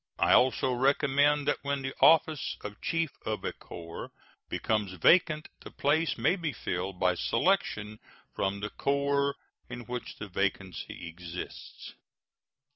I also recommend that when the office of chief of a corps becomes vacant the place may be filled by selection from the corps in which the vacancy exists.